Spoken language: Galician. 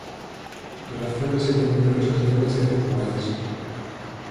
Relaciónase con numerosas lendas e rituais.